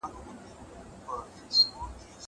زه پرون مينه څرګنده کړه.